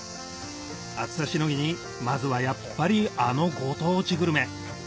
暑さしのぎにまずはやっぱりあのご当地グルメ